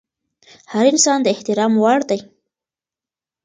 هر انسان د احترام وړ دی.